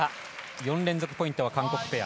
４連続ポイントは韓国ペア。